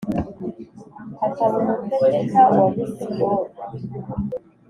akaba umutegeka wa misiyoni